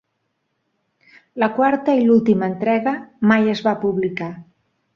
La quarta i l'última entrega mai es va publicar.